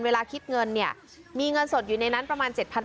เวลาคิดเงินเนี่ยมีเงินสดอยู่ในนั้นประมาณ๗๐๐